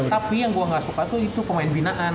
tapi yang gue gak suka tuh itu pemain binaan